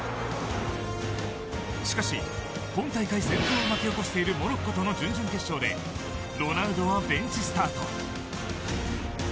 しかし今大会旋風を巻き起こしているモロッコとの準々決勝でロナウドはベンチスタート。